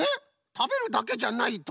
たべるだけじゃないとは？